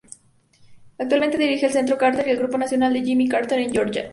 Actualmente dirige el Centro Carter y el Grupo Nacional de Jimmy Carter en Georgia.